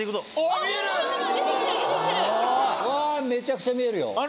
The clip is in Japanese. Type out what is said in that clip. めちゃくちゃ見えるよ。